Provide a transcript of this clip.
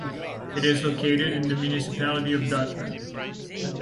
It is located in the municipality of Dojran.